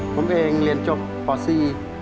ผมเองเรียนจมซี